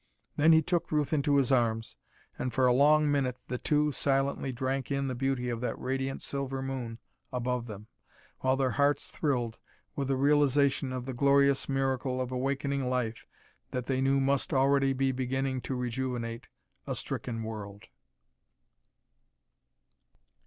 Then he took Ruth into his arms and for a long minute the two silently drank in the beauty of that radiant silver moon above them, while their hearts thrilled with a realization of the glorious miracle of awakening life that they knew must already be beginning to rejuvenate a stricken world.